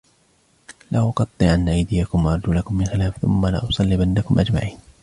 لَأُقَطِّعَنَّ أَيْدِيَكُمْ وَأَرْجُلَكُمْ مِنْ خِلَافٍ ثُمَّ لَأُصَلِّبَنَّكُمْ أَجْمَعِينَ